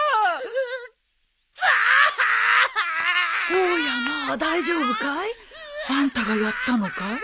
おやまあ大丈夫かい？あんたがやったのかい。